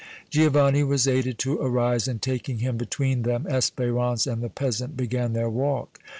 Giovanni was aided to arise, and, taking him between them, Espérance and the peasant began their walk.